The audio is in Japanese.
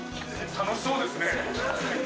楽しそうですね！